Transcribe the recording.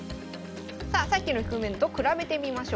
さあさっきの局面と比べてみましょう。